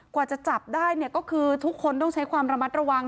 กว่าจะจับได้เนี่ยก็คือทุกคนต้องใช้ความระมัดระวัง